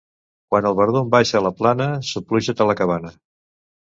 Quan el verdum baixa a la plana, sopluja't a la cabana.